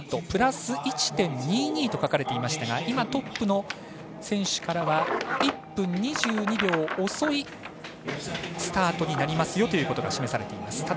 プラス１．２２と書かれていましたが今、トップの選手からは１分２２秒遅いスタートになりますよということが示されています。